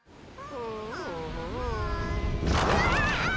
うわ。